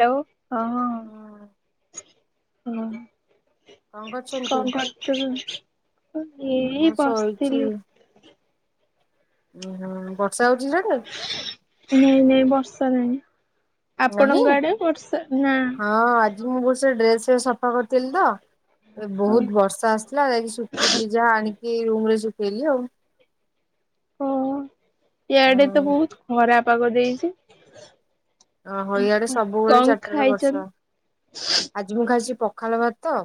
ହୁଁ ହଁ ହଁ। କଣ କରୁଥୁଲୁ? ଏଇ ମୁଁ ବସିଥିଲି। ହୁଁ ହୁଁ ବସ ନାଇଁ ନାଇଁ ବର୍ଷା ନାହିଁ। ନାହିଁ। ଆପଣଙ୍କ ଆଡେ ବର୍ଷା ନା ହଁ ଆଜି ମୁଁ ଗୋଟେ ସେ ଡ୍ରେସ ସଫା କରିଥିଲି ତ। ବହୁତ ବର୍ଷା ଆସିଥିଲା ଯାଇକି ଶୁଖିଥିଲି ଯାହା ଆଣିକି ରୁମ ରେ ଶୁଖେଇଲି ଆଉ। ଓ ଇଆଡେ ତ ଉଁ ବହୁତ ଖରା ପାଗ ଦେଇଛି। ଅହ ଇଆଡେ ସବୁବେଳେ କଣ ଚାରଟାରେ ଖାଇଛନ୍ତି? ବର୍ଷା, ଆଜି ମୁଁ ଖା ପଖାଳ ଭାତ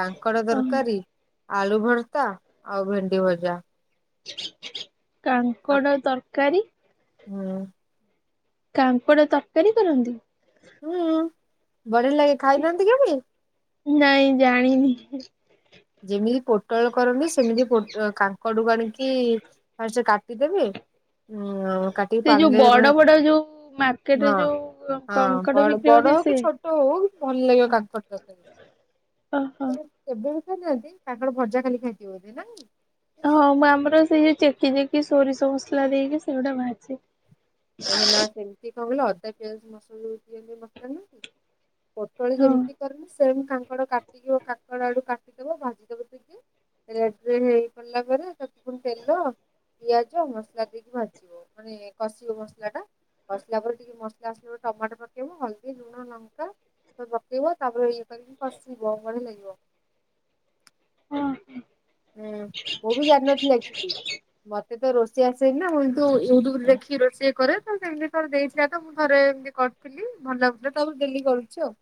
କାଙ୍କଡ ଓହୋ ତରକାରୀ। ଆଳୁ ଭର୍ତା ଆଉ ଭେଣ୍ଡି ଭଜା। ଆଉ କାଙ୍କଡ଼ ତରକାରୀ। ହୁଁ। କାଙ୍କଡ ତରକାରୀ କରନ୍ତି। ହୁଁ ବଢିଆ ଲାଗେ ଖାଇନାହାନ୍ତି କେବେ? ନାଇଁ ଜାଣିନି। ଯେମିତି ପୋଟଳ କରନ୍ତି ସେମିତି ପୋଟ କାଙ୍କଡକୁ ଆଣିକି ଫାଷ୍ଟ କାଟି କାଟି ଦେବେ। ହଁ କାଟିିକି ସେ ଯୋଉ ପାଣିରେ ବଡ ମାନେ ବଡ ଯୋଉ ମାର୍କେଟରେ ହଁ ଯୋଉ ହଁ କଙ୍କଡ ବଡ ବିକ୍ରି ହଉଛି ବଡ। ସେ କି ଛୋଟ ହଉ ଭଲ ଲାଗିବ କାଙ୍କଡ଼ ତରକାରୀ। ଓହୋ। ମୁଁ କେବେହେଲେ କରିନାହାନ୍ତି। କାଙ୍କଡ଼ ଭଜା ଖାଲି ଖାଇଥିବେ ନାଇଁ। ହଁ ମୁଁ ଆମର ସେଇ ଯଉ ଚେକି ଚେକି ସୋରିଷ ମସଲା ଦେଇକି ସେଗୁଟା ଭାଜେ। ଓହୋ ନା ସେମିତି କହିଲ ଅଦା, ପିଆଜ ମସଲା [unintelligible] ପୋଟଳ ହଁ। ଯେମିତି କରନି ସେମ କାଙ୍କଡ କାଟିକିବ କାଙ୍କଡ ଆଳୁ କାଟିଦବ ଭାଜିଦବ। [unintelligible] ହେଇ ଗଲା ପରେ ତାକୁ ପୁଣି ତେଲ ପିଆଜ ଆଉ ମସଲା ଦେଇକି ଭାଜିବ, ମାନେ କଷିବ ମସ- ମସଲା ଟା ବାସିଲା ପରେ ଟୋମାଟ ପକେଇବ ହଳଦୀ ଲୁଣ ଲଙ୍କା ତ ପକେଇବ ତାପରେ ଇଏ କରି କସିିବ ବଢିଆ ଲାଗିବ। ହୁଁ। ହୁଁ ମୁଁ ବି ଜାଣିନଥିଲି ଆକଚୁଲି। ମୋତେ ତ ରୋଷେଇ ଆସେନି ନା, ମୁଁ ୟୁଟ୍ୟୁବରୁ ଦେଖିକି ରୋଷେଇ କରେ ତ ସେମିତି ଥରେ ଦେଇଥିଲା ତ ମୁଁ ଥରେ ଏମତି କରିଥିଲି। ଭଲ ଲାଗୁଥିଲା ତ ଡେଲି କରୁଛି ଆଉ।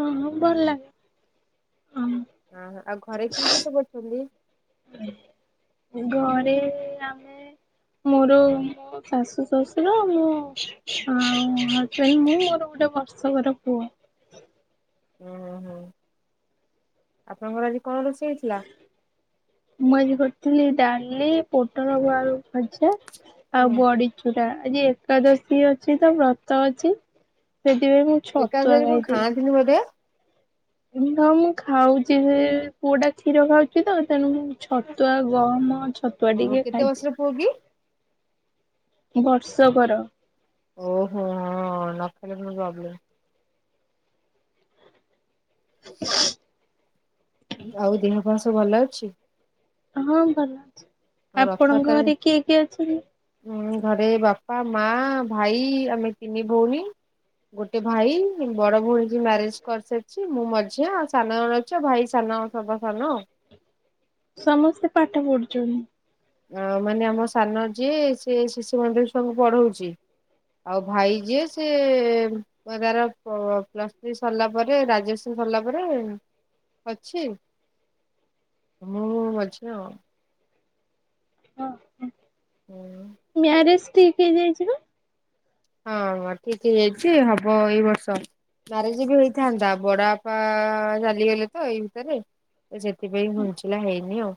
ହଁ ଭଲ ଲାଗେ। ହଁ ଅ ଆଉ ଘରେ କିଏ କିଏ ସବୁ ଅଛନ୍ତି? ଘରେ ଆମେ ମୋର ଶାଶୁଶଶୁର, ମୁଁ ଅ ହଜବେଣ୍ଡ ମୁଁ ମୋର ଗୋଟେ ବର୍ଷକର ପୁଅ। ଓ ହୁଁ ଆପଣଙ୍କର ଆଜି କଣ ରୋଷେଇ ହେଇଥିଲା? ମୁଁ ଆଜି କରିଥିଲି ଡାଲି, ପୋଟଳ ଆଳୁ ଭଜା। ହୁଁ ଆଉ ବଡିଚୁରା ଆଜି ଏକାଦଶୀ ଅଛି ତ ବ୍ରତ ଅଛି। ସେଥିପାଇଁ ମୁଁ ଛତୁଆ ଏକାଥରେ କଣ ଖାଇଥିଲି। ଖାଆନ୍ତିନି ବୋଧେ ହଁ ପା ମୁଁ ଖାଉଛି ସେ ପୁଅଟା କ୍ଷୀର ଖାଉଛି ତ ତେଣୁ ଛତୁଆ ଗହମ ଛ ଛତୁଆ ଓହୋ ଟିକେ କେତେ ଖାଇଛି। ବର୍ଷର ପୁଅ କି? ବର୍ଷକର। ଓହୋ ହଁ ନକଲେ ପୁଣି ପ୍ରୋବେଲମ୍। [unintelligible] ଆଉ ଦେହ ପା ଭଲ ଅଛି। ହଁ ଭଲ ଅଛି। ଆଉ ଆପଣଙ୍କ ଘରେ କିଏ କିଏ ଅଛନ୍ତି? ହଁ ଘରେ ବାପା ମା ଭାଇ ଆମେ ତିନି ଭଉଣୀ। ଗୋଟେ ଭାଇ ବଡ ଭଉଣୀ ଯିଏ ମ୍ୟାରେଜ କରିସାରିଛି ମୁଁ ମଝିଆ ଆଉ ସାନ ଜଣେ ଅଛି ଆଉ ଭାଇ ସା ତମେ ସବା ସାନ। ସମସ୍ତେ ପାଠ ପଢୁଚନ୍ତି। ଅ ମାନେ ଆମ ସାନ ଯିଏ ସିଏ ଶିଶୁ ମନ୍ଦିର ଛୁଆଙ୍କୁ ପଢଉଛି। ଆଉ ଭାଇ ଯିଏ ସିଏ ତାର ପ୍ଲ ପ୍ଲସ ଥ୍ରୀ ସରିଲା ପରେ ଗ୍ରାଜୁଏସନ। ସରିଲା ପରେ ଅଛି। ମୁଁ ମଝିଆ ଆଉ। ମାରେଜ ଠିକ ହେଇଯାଇଛି ପା। ହଁ ହଁ ଠିକ ହେଇ ଯାଇଛି ହବ ଏଇ ବର୍ଷ। ମ୍ୟାରେଜ ବି ହେଇଥାନ୍ତା ବଡ ବାପା ଚାଲିଗଲେ ତ ଏଇ ଭିତରେ। ତ ସେଥିପାଇଁ ଘୁଞ୍ଚିଲା ହେଇନି ଆଉ।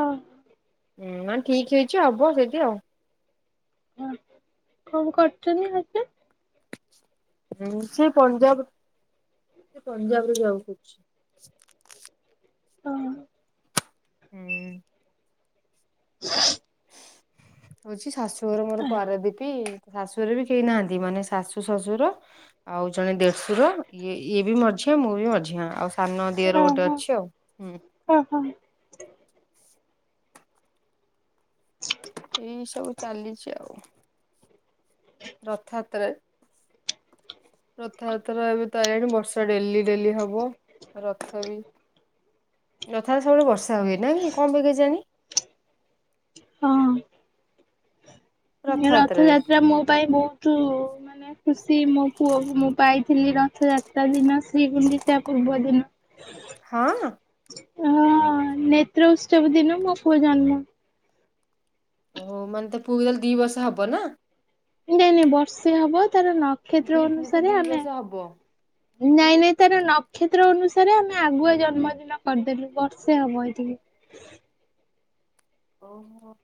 ଅ। ହୁଁ ନହେଲେ ଠିକ୍ ହେଇଚି ହବ ସେଇଠି ଆଉ। ହୁଁ କଣ କରୁଛନ୍ତି ଏବେ? ଇ ସେ ପଞ୍ଜାବ ସେ ପଞ୍ଜାବରେ ଜବ କରୁଛି। ହଁ। ହୁଁ। ହଉଛି ଶାଶୁଘର ମୋର ପାରାଦ୍ୱୀପି। ଶାଶୁ ଘରେ ବି କେହି ନାହାନ୍ତି। ମାନେ ଶାଶୁ ଶଶୁର ଆଉ ଜଣେ ଦେଢଶୁର ଇଏ ଇଏ ବି ମଝିଆ ମୁଁ ବି ମଝିଆ ଆଉ ସାନ ଦିଅର ଗୋଟେ ଅଛି ଆଉ। ହୁଁ, ଓହୋ। ଏଇ ସବୁ ଚାଲିଛି ଆଉ। ରଥଯାତ୍ରାରେ ରଥଯାତ୍ରା ଏବେ ତ ଆଇଲାଣି ବର୍ଷା ଡେଲି ଡେଲି ହବ। ରଥ ବି [unintelligible] ସବୁବେଳେ ବର୍ଷା ହୁଏ। ନାକି କଣ ପାଇଁ କେଜାଣି। ହଁ। ରଥଯାତ୍ରାରେ? ରଥଯାତ୍ରା ମୋ ପାଇଁ ବହୁତ ମାନେ ଖୁସି ମୋ ପୁଅ ମୁଁ ପାଇଁ ଥିଲି। ରଥଯାତ୍ରା ଦିନ ଶ୍ରୀଗୁଣ୍ଡିତା ପୂର୍ବ ଦିନ। ହଁ। ହଁ ନେତ୍ର ଉତ୍ସବ ଦିନ ମୋ ପୁଅ ଜନ୍ମ। ଓହୋ ମାନେ ତୋ ପୁଅକୁ ତାହଲେ ଦି ବର୍ଷ ହବ ନା? ନାଇଁ ନାଇଁ ବର୍ଷେ ହବ। ତାର ମୁଁ ନକ୍ଷତ୍ର କହିଲି ପୁଅକୁ ଅନୁସାରେ ଦି ଆମେ ବର୍ଷ ହବ। ହୁଁ ନାଇଁ ନାଇଁ ତାର ନକ୍ଷତ୍ର ଅନୁସା ସାରେ ଆମେ ଆଗୁଆ ଜନ୍ମଦିନ କରିଦେଲୁ। ବର୍ଷେ ହବ ଏଠିକି। ଓହୋ!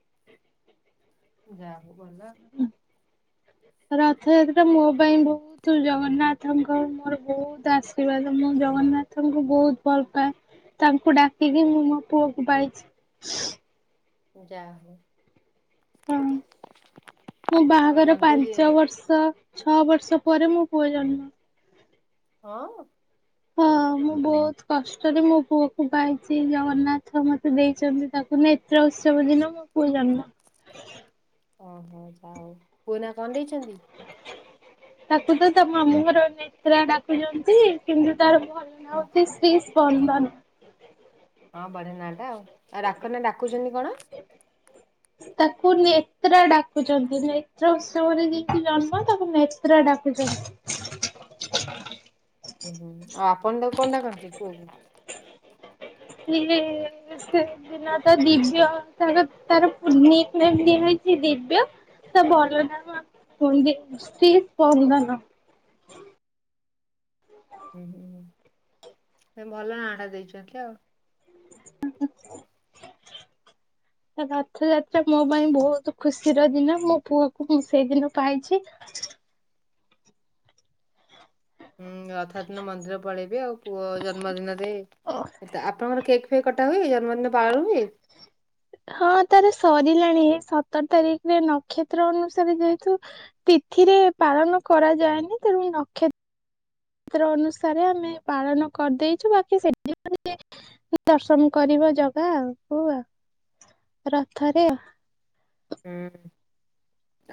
ଯା ହୋଉ ଭଲ। [unintelligible] ରଥଯାତ୍ରା ମୋ ପାଇଁ ବହୁତ ଜଗନ୍ନାଥଙ୍କ ମୋର ବହୁତ ଆଶୀର୍ବାଦ ମୁଁ ଜ ଗନ୍ନାଥଙ୍କୁ ବହୁତ ଭଲ ପାଏ। ତାଙ୍କୁ ଡାକିକି ମୁଁ ମୋ ପୁଅକୁ ପାଇଛି। ଯା ହଉ। ହଁ ମୋ ଭଲ ବାହାଘର ମନ୍ଦିର ପାଞ୍ଚ ବର୍ଷ ଛଅ ବର୍ଷ ପରେ ମୋ ପୁଅ ଜନ୍ମ। ହଁ! ହଁ ମୁଁ ବହୁତ କଷ୍ଟରେ ମୋ ପୁଅ କୁ ପାଇଚି। ଜଗନ୍ନାଥ ମୋତେ ଦେଇଛନ୍ତି ତାକୁ ନେତ୍ର ଉତ୍ସବ ଦିନ ମୋ ପୁଅ ଜନ୍ମ। ଓହୋ ଯାହଉ ପୁଅ ନାଁ କଣ ଦେଇଛନ୍ତି? ତାକୁ ତ ତା ମାମୁଁଙ୍କର ନେତ୍ରା ଡାକୁଚନ୍ତି। କିନ୍ତୁ ତାର ଭଲ ନାଁ ହୁଁ, ହଉଛି ଶ୍ରୀ ସ୍ପନ୍ଦନ। ହଁ ବଢିଆ ନାଁ ଟା ଆଉ। ଆଉ ଡାକ ନାଁ ଡାକୁଛନ୍ତି କଣ? ତାକୁ ନେତ୍ର ଡାକୁଛନ୍ତି। ନେତ୍ର ଉତ୍ସବରେ ଯେହେତୁ ଜନ୍ମ ତାକୁ ନେତ୍ର ଡାକୁ ଡାକୁଚନ୍ତି। ହୁଁ, ହୁଁ, ଆଉ ଆପଣ ତାକୁ କଣ ଡାକନ୍ତି ପୁଅକୁ? ସିଏ ସେଦିନ ତ ଦିବ୍ୟ ତାର ତାର ନିକ୍ ନେମ୍ ଦିଆହେଇ ସେ ଦିବ୍ୟ ତା ଭଲ ନାଁ [unintelligible] ସ୍ପନ୍ଦନ। [inaudible] ହୁଁ ହୁଁ ହୁଁ। ଏ ଭଲ ନାଁଟା ଦେଇଛନ୍ତି ଆଉ। ଓହୋ। ତ ରଥଯାତ୍ରା ମୋ ପାଇଁ ବହୁତ ଖୁସିର ଦିନ ମୋ ପୁଅକୁ ମୁଁ ସେଇଦିନ ପାଇଛି। [inaudible] ହୁଁ, ରଥ ଯାତ୍ର ଦିନ ମନ୍ଦିର ପଳେଇବେ ଆଉ ପୁଅ ଜନ୍ମଦିନରେ। ତ ଆପଣଙ୍କର କେକ୍ କେକ୍ କଟା ହୁଏ ଜନ୍ମଦିନ ପାଳୁ। ହଁ ତାର ସରିଲାଣି ଏଇ ସତର ତାରିଖରେ ନକ୍ଷତ୍ର ଅନୁସାରେ ଯେହେତୁ ତିଥିରେ ପାଳନ କରାଯାଏନି ତେଣୁ ଏ ନକ୍ଷ ନକ୍ଷତ୍ର ଅନୁସାରେ ଆମେ ପାଳନ କରିଦେଇଛୁ। ବାକି ସେଦିନ [inaudible] ଦର୍ଶନ କରିବ ଜଗା ଆଉ କୁ ଆଉ ରଥରେ ହୁଁ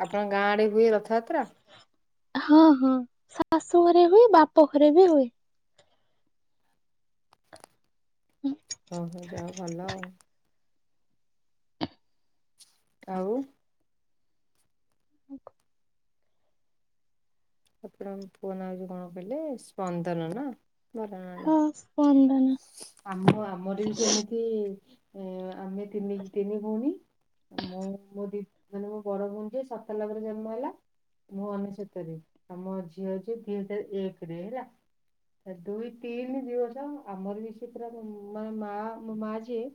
ଆପଣଙ୍କ ଗାଁ ଆଡେ ହୁଏ ରଥଯାତ୍ରା। ହଁ ହଁ ଶାଶୁ ଘରେ ହୁଏ ବାପ ଘରେ ବି ହୁଏ। ଓ ହୋ ଯାହଉ ଭଲ ଆଉ। ଆଉ ଅକ୍ ଆପଣଙ୍କ ପୁଅ ନାଆ ଏଯୋଉ କଣ କହିଲେ ସ୍ପନ୍ଦନ ନା ଭଲ ନାଁ ଟା ହଁ ସ୍ପନ୍ ଆମ ଆମର ବି ସେମିତି ଅଁ ଆମେ ତିନି ତିନି ଭଉଣୀ ମୁଁ ମୋ ଦିଦ ମାନେ ମୋ ବଡ ଭଉଣୀ ଯିଏ ସତ ଲକରେ ଜନ୍ମ ହେଲା ମୁଁ ଅନେଶତରେ ଆଉ ମୋ ଝିଅ ଯିଏ ଦି ହଜାର ଏକରେ ହେଲା। ଦୁଇ ତିନି ଦିବର୍ଷ। ଆମର ବି ସେ ପୁରା ମୋ ମା ମା ମୋ ମା ଯିଏ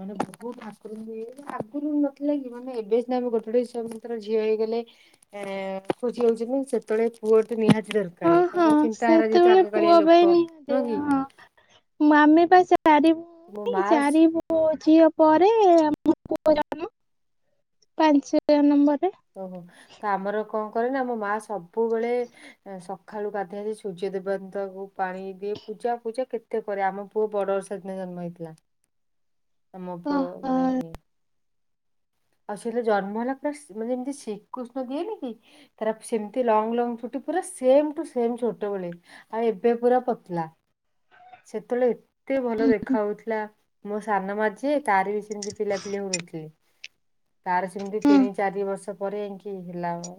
ମାନେ ବହୁତ ଠାକୁର ଯିଏ ଆଗରୁ ନଥିଲା କି ମାନେ ଏବେ ସିନା ଆମେ ଗୋଟୁଦେଜ ସବୁ ଝିଅ ହେଇ। ହେଲେ ଏଁ ଖୋଜିଅକୁଯିବୁ ସେତେବେଳେ ପୁଅ ତ ନିହାତି ହଁ ଦରକାରୀ ତାଙ୍କ ହଁ ଚିନ୍ତାରହିଯାଇଛି ସେତେବେଳେ ଆଗକାଲଳିଆ ଲୋକ ନୁହଁ କି ମାମି ପାଇଁ ମୋ ସାରିବୁ ମା ଚାରି ବୁ। ଝିଅ ପରେ ଆମ [inaudible] ପାଞ୍ଚ ନମ୍ବର ଓହୋ ତ ଆମର କଣ କରେ ନା ଆମ ମା ସବୁବେଳେ ସ ସଖାଳୁ ଗାଧିଆ ସୂର୍ଯ୍ୟ ଦେବତାଙ୍କୁ ପାଣି ଦିଏ ପୂଜା ପୂଜା କେତେ କରେ ଆମ ପୁଅ ବଡ଼ର ସେଦିନ ନଇଥିଲା ଆମ ପୁଅ ଓହୋ ମାନେଇ ଆଉ ସେତ ଜନ୍ମ ହେଲା ପୁରା ମାନେ ଯେମିତି ଶ୍ରୀକୃଷ୍ଣ ଦିଏନି କି ତାରା ସେମିତି ଲଙ୍ଗ ଲଙ୍ଗ ଚୁଟି ପୁର ସେମ ଟୁ ସେମ ଛୋଟବେଳେ ଆଉ ଏବେ ପୁରା ପତଲା। ସେତଳେ ଏତେ ଭଲ ଦେଖା ହଉଥିଲା ମୋ ସାନ ମା, ଯିଏ ତାର ବି ସେମିତି ପିଲାପିଲି ହଉ ନ ଥିଲେ ତାର ସେମିତି ହଁ ତିନି ଚାରି ବର୍ଷ ପରେ ଯାଇକି ହେଲା ଆଉ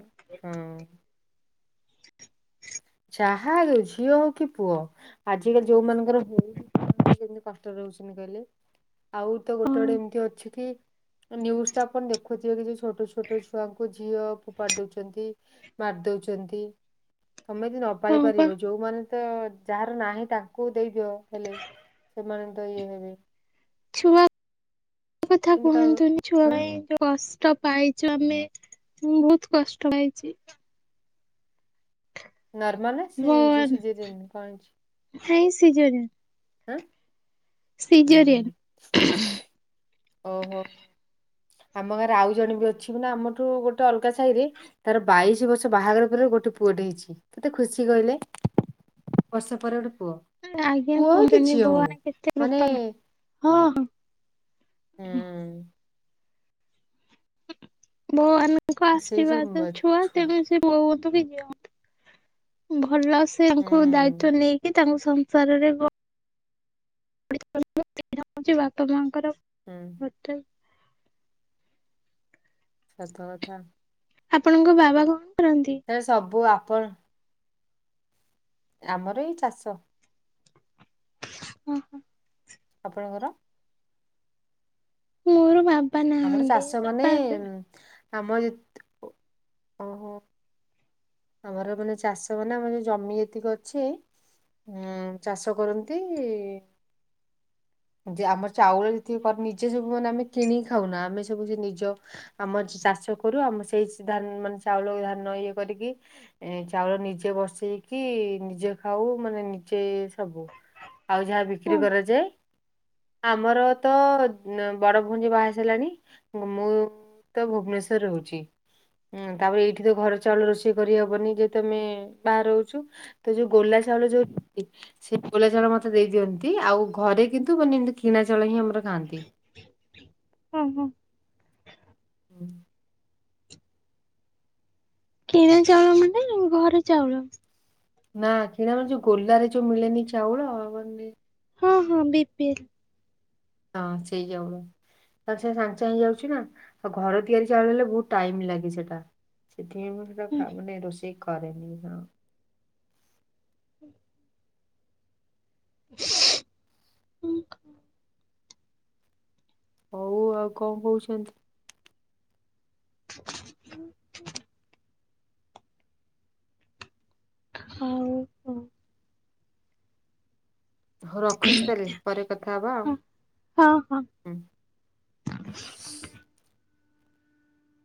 ଯାହା ହଉ ଝିଅ ହଉ କି ପୁଅ ଆଜିକାଲି ଯୋଉ ମାନଙ୍କର ହଉ କେମିତି କଷ୍ଟ ରହୁଛିନି କହିଲେ ଆଉ ତ ଗୋଟେ ହଁ। ଗଡେ ଏମିତି ଅଛି କି? ନ୍ୟୁଜ୍ ତ ଆପଣ ଦେଖୁଥିବେ କି ଛୋଟ ଛୋଟ ଛୁଆଙ୍କୁ ଝିଅ ଫୋପାଡି ଦଉଛନ୍ତି ମାରି ଦେଉଛନ୍ତି। ତମେ ଯଦି ନ ହଁ ପା ପାରିପାରିବ ଯୋଉମାନେ ତ ଯାହାର ନାହିଁ ତାଙ୍କୁ ଦେଇଦିଅ ହେଲେ ସେମାନେ ତ ଇଏ ହେବେ ଛୁଆ କଥା ଏମିତି କାହାକୁ କୁହନ୍ତୁନି ଛୁଆ ହଁ ପାଇଁ ଯୋଉ କଷ୍ଟ ପାଇଛୁ ଆମେ ମୁଁ ବହୁତ କଷ୍ଟ ପାଇଚି ନର୍ମାଲ ସେ ଯେ ସିଜରିନ କଣ ହେଇଚି ନାଇ ସିଜରିନ୍ ହଁ। ହୁଁ ଓହୋ ସିଜରିଆନ୍। ଆମ ଗାଁରେ ଆଉ ଜଣେ ବି ଅଛି ନା ଆମଠୁ ଗୋଟେ ଅଲଗା ସାହି ରେ ତାର ବାଇଶି ବର୍ଷ ବାହାଘର ଗୋଟେ ପୁଅଟ ହେଇଛି କେତେ ଖୁସି କହିଲେ ବର୍ଷ ପରେ ଗୋଟେ ପୁଅ ଆଜ୍ଞା ପୁଅ ହଉ କି କୁହନି ଝିଅ ହଉ ଭଗବା କେତେ ମାନେ ରୂପାାର ହଁ ହଁ। ହେ ଭଗବାନଙ୍କ ଉଁ ସେଇ ଯୋଉ ଆଶୀର୍ବାଦ ମ ଛୁଆ ଛୁ ତେଣୁ ସେ ବହୁତ ଭଲ ସେ ହୁଁ ତାଙ୍କୁ ଦାୟିତ୍ୱ ନେଇକି ତାଙ୍କୁ ସଂସାରରେ ସେଇଟା ହେଉଛି ବାପା ମା ଙ୍କର ହୁଁ ମୋତେ ସତ କଥା। ଆପଣଙ୍କ ବାବା କଣ କରନ୍ତି? ସାର୍, ସବୁ ଆପଣ ଆମର ଏଇ ଚାଷ। ଓହୋ। ଆପଣଙ୍କର? ମୋର ବାବା ନାହାନ୍ତି ବାପା [unintelligible] ଆମରିତ, ଓହୋ। ଆମର ମାନେ ଚାଷ ମାନେ ଆମର ଜମି ଯେତିକ ଅଛି ଆଁ ଚାଷ କରନ୍ତି ଇ ଯେ ଆମର ଚାଉଳ ଯେତିକି କର ନିଜେ ସବୁ ମାନେ ଆମେ କିଣିକି ଖାଉନା ଆମେ ସବୁ ନି ଯୋ ଆମ ଚାଷ କରୁ ଆମ ସେଇ ଧାନ ମାନେ ଚାଉଳ ଧାନ ଇଏ କରିକି ଏ ଚାଉଳ ନିଜେ ବସେଇକି ନିଜେ ଖାଉ ମାନେ ନିଜେ ସବୁ ଆଉ ଯାହା ବିକ୍ରି ହଁ କରାଯାଏ ଆମର ତ ଅ ବଡ ଭଉଣୀ ଯିଏ ବାହାସାରିଲାଣି ମୁଁ ମୁଁ ତ ଭୁବନେଶ୍ଵର ରହୁଛି ଉଁ ତାପରେ ଏଇଠି ତ ଘର ଚାଉଳ ରୋ କରିହବନି ଯେହେତୁ ଆମେ ବାହାରେ ରହୁଛୁ ତ ଯୋଉ ଗୋଲା ଚାଉଳ ଯୋଉ ଇ ସେ ଗୋଲା ଚାଉଳ ମତେ ଦେଇ ଦିଅନ୍ତି ଆଉ ଘରେ କିନ୍ତୁ ମାନେ ଏମିତି କିଣା ଚାଉଳ ହିଁ ଆମ ଖାଆନ୍ତି। ଓହୋ ହୁଁ, କିଣା ଚାଉଳ ମାନେ ଘର ଚାଉଳ? ନା କିଣା ଯୋଉ ଗୋଲା ରେ ଯଉ ମିଳେନି ଚାଉଳ ଆମର ବି। ହଁ ହଁ ବିପିଏଲ୍। ହଁ ସେଇ ଚାଉଳ। ତା ଛଡା ସାଙ୍ଗେସାଙ୍ଗେ ଯାଉଛି ନା ଘର ତିଆରି ଚାଲିଲେ ବହୁତ୍ ଟାଇମ ଲାଗେ ସେଟା। ହୁଁ, [unintelligible] ମାନେ ରୋଷେଇ କରେନି ହଁ। [unintelligible] ହଉ ଆଉ କଣ କହୁଛନ୍ତି? [unintelligible] ହଉ ହଁ। ହଉ ରଖୁଛି ତାହେଲେ ପରେ କଥା ହବା ଆଉ ହଁ। ହଁ। ହୁଁ। [unintelligible]